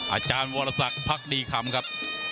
อาจารย์วรสักพักดีคำครับ